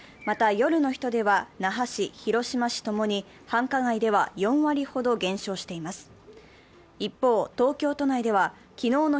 また夜の人出は、那覇市、広島市ともに４割ほど現象しています。